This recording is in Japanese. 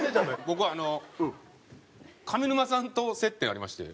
僕あの上沼さんと接点ありまして。